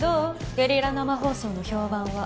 ゲリラ生放送の評判は。